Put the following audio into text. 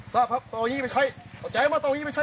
ทรัพย์ครับต่ออย่างงี้ไปใช้ขอใจไหมต่ออย่างงี้ไปใช้